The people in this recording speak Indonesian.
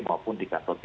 maupun di kantor p tiga